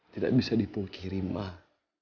tidak bisa dipungkiri mah